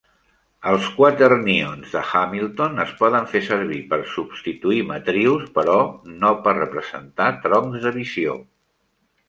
Els quaternions de Hamilton es poden fer servir per substituir matrius, però no per representar troncs de visió.